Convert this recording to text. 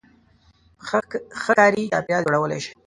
-ښه کاري چاپېریال جوړولای شئ